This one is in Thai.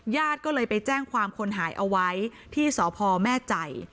ญาติก็เลยไปแจ้งความคนหายเอาไว้ที่สพแม่ใจ